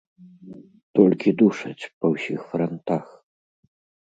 Толькі душаць, па ўсіх франтах.